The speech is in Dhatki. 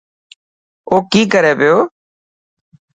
او ڪي ڪري پيو.